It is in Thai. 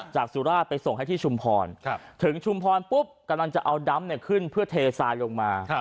สุราชไปส่งให้ที่ชุมพรถึงชุมพรปุ๊บกำลังจะเอาดำขึ้นเพื่อเททรายลงมา